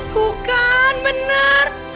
tuh kan bener